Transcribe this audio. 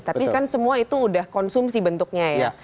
tapi kan semua itu udah konsumsi bentuknya ya